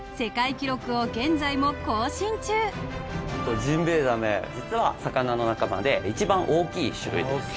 ジンベエザメ実は魚の仲間で一番大きい種類です。